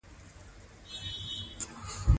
د سبا کار نن ته مه پرېږدئ.